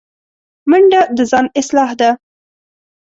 منډه د ځان اصلاح ده